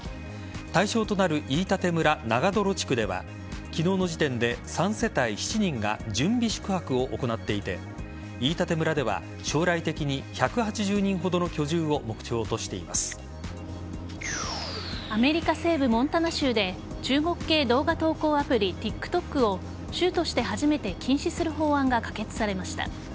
対象となる飯舘村長泥地区では昨日の時点で３世帯７人が準備宿泊を行っていて飯舘村では将来的に１８０人ほどの居住をアメリカ西部・モンタナ州で中国系動画投稿アプリＴｉｋＴｏｋを州として初めて禁止する法案が可決されました。